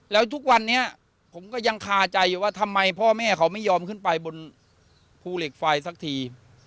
แล้วทุกวันนี้ผมก็ยังคาใจอยู่ว่าทำไมพ่อแม่เขาไม่ยอมขึ้นไปบนภูเหล็กไฟสักที